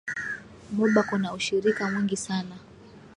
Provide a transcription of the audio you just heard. Moba kuna ushirika mwingi sana